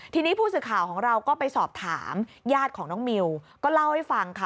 ทีนี้ผู้สื่อข่าวของเราก็ไปสอบถามญาติของน้องมิวก็เล่าให้ฟังค่ะ